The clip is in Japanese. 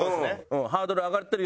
ハードル上がってるよ